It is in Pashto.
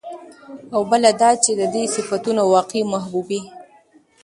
او بله دا چې د دې صفتونو او واقعي محبوبې